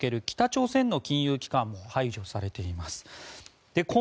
北朝鮮の金融機関も排除されています。